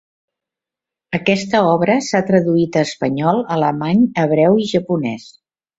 Aquesta obra s'ha traduït a espanyol, alemany, hebreu i japonès.